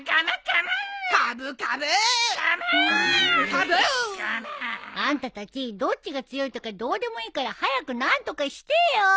カブ！あんたたちどっちが強いとかどうでもいいから早く何とかしてよ！